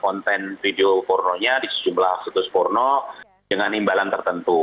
konten video pornonya di sejumlah situs porno dengan imbalan tertentu